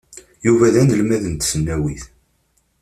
Yuba d anelmad n tesnawit.